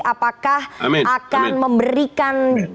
apakah akan memberikan